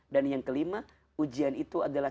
dan yang kelima ujian itu adalah